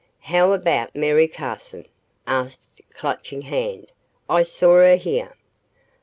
"How about Mary Carson?" asked Clutching Hand. "I saw her here."